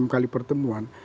enam kali pertemuan